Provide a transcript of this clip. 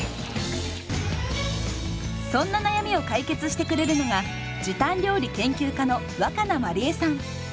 そんな悩みを解決してくれるのが時短料理研究家の若菜まりえさん。